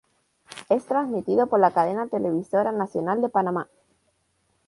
Es transmitido por la cadena Televisora Nacional de Panamá.